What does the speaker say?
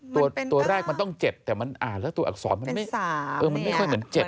ตัวตัวแรกมันต้องเจ็ดแต่มันอ่าแล้วตัวอักษรมันไม่เป็นสามเนี้ยเออมันไม่ค่อยเหมือนเจ็ด